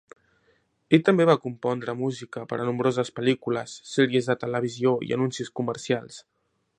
Ell també va compondre música per a nombroses pel·lícules, sèries de televisió i anuncis comercials.